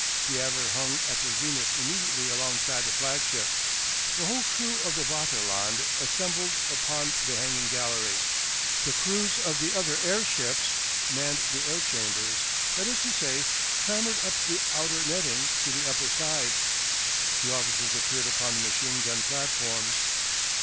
The Adler hung at the zenith immediately alongside the flagship. The whole crew of the Vaterland assembled upon the hanging gallery; the crews of the other airships manned the air chambers, that is to say, clambered up the outer netting to the upper sides. The officers appeared upon the machine gun platforms.